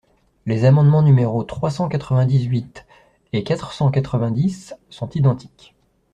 Les amendements numéros trois cent quatre-vingt-dix-huit et quatre cent quatre-vingt-dix sont identiques.